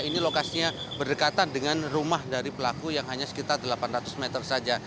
ini lokasinya berdekatan dengan rumah dari pelaku yang hanya sekitar delapan ratus meter saja